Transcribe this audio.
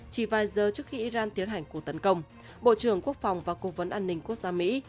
chỉ vài giờ trước khi iran tiến hành cuộc tấn công bộ trưởng quốc phòng và cố vấn an ninh quốc gia mỹ